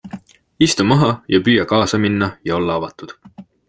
Istu maha ja püüa kaasa minna ja olla avatud.